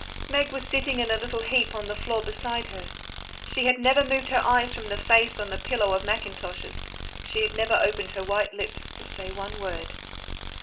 Meg was sitting in a little heap on the floor beside her. She had never moved her eyes from the face on the pillow of mackintoshes, she had never opened her white lips to say one word.